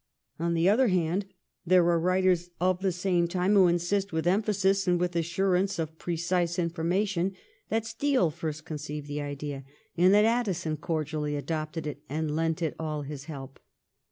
On the other hand, there are writers of the same time who insist with emphasis, and with assurance of precise informa tion, that Steele first conceived the idea, and that Addison cordially adopted it and lent it all his help.